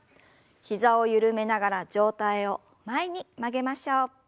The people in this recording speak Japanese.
膝を緩めながら上体を前に曲げましょう。